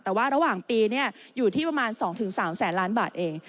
แต่ว่าระหว่างปีอยู่ที่ประมาณ๒๓แสนล้านบาทเอง